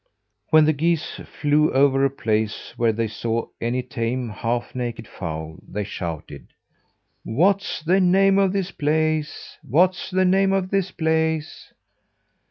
When the geese flew over a place where they saw any tame, half naked fowl, they shouted: "What's the name of this place? What's the name of this place?"